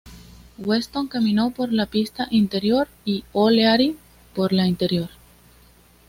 Weston caminó por la pista interior y O'Leary por la interior.